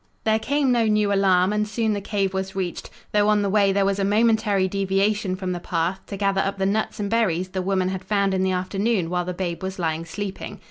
There came no new alarm, and soon the cave was reached, though on the way there was a momentary deviation from the path, to gather up the nuts and berries the woman had found in the afternoon while the babe was lying sleeping.